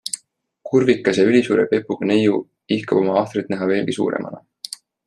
Kurvikas ja ülisuure pepuga neiu ihkab oma ahtrit näha veelgi suuremana.